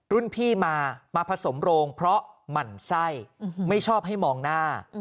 รุ่นพี่มามาผสมโรงเพราะหมั่นไส้ไม่ชอบให้มองหน้า